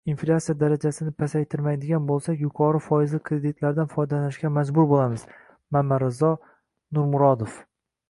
Inflyatsiya darajasini pasaytirmaydigan bo‘lsak, yuqori foizli kreditlardan foydalanishga majbur bo‘lamiz — Mamarizo Nurmurodov